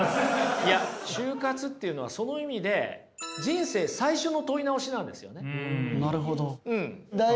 いや就活っていうのはその意味で人生最初の問い直しなんですよね。